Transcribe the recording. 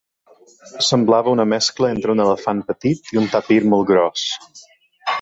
Semblava una mescla entre un elefant petit i un tapir molt gros.